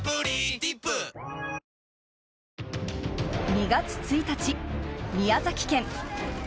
２月１日、宮崎県。